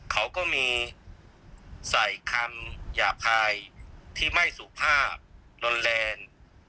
เขาก็มีใส่คำหยาบคายที่ไม่สุภาพรุนแรง